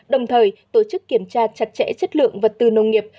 đồng thời tổ chức kiểm tra chặt chẽ chất lượng vật tư nông nghiệp